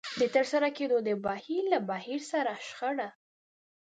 د ترسره کېدو د بهير له بهير سره شخړه.